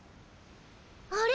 あれ？